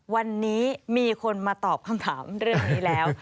วันนี้มีคนมาตอบคำถามเรื่องนี้แล้ว